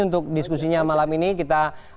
untuk diskusinya malam ini kita